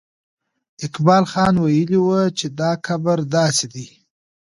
اقبال خان ویلي وو چې دا قبر داسې دی.